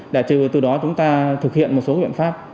để từ đó chúng ta thực hiện một số biện pháp